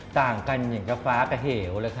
ต่างกันอย่างเจ้าฟ้ากับเหี่ยว